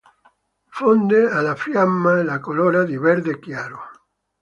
Fonde alla fiamma e la colora di verde chiaro.